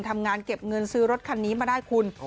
ทำงานเก็บเงินซื้อรถคันนี้มาได้คุณ